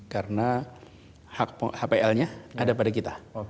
karena hpl nya ada pada kita